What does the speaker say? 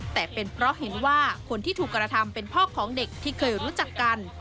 แต่เป็นเพราะเห็นว่าคนที่ถูกกระทำเป็นพ่อของเด็กที่เคยรู้จักกัน